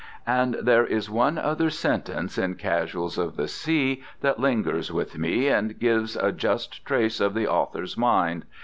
And there is one other sentence in Casuals of the Sea that lingers with me, and gives a just trace of the author's mind.